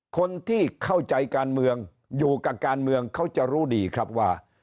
คนที่เข้าใจการเมืองอยู่กับการเมืองเขาจะรู้ดีครับว่า